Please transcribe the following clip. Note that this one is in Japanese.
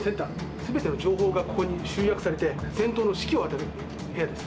すべての情報がここに集約されて、戦闘の指揮を与える部屋です。